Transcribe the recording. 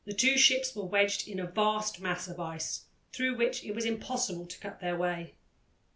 The two ships were wedged in a vast mass of ice, through which it was impossible to cut their way.